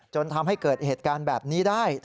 จนทำให้เกิดเหตุการณ์แบบนี้ได้